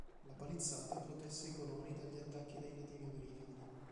La palizzata protesse i coloni dagli attacchi dei nativi americani.